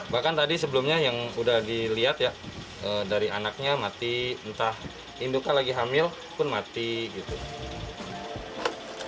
bahkan tadi sebelumnya yang udah dilihat ya dari anaknya mati entah induka lagi hamil pun mati gitu